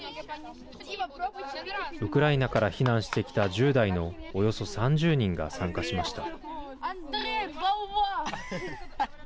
ウクライナから避難してきた１０代のおよそ３０人が参加しました。